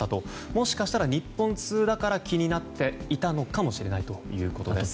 もしかしたら日本通だから気になっていたのかもしれないということです。